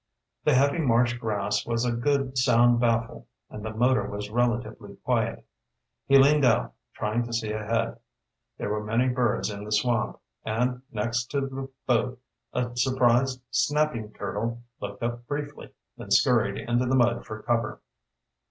The heavy marsh grass was a good sound baffle and the motor was relatively quiet. He leaned out, trying to see ahead. There were many birds in the swamp, and next to the boat a surprised snapping turtle looked up briefly, then scurried into the mud for cover.